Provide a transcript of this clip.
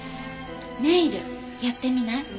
ネイルやってみない？